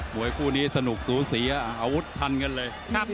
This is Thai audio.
วยคู่นี้สนุกสูสีอาวุธพันกันเลย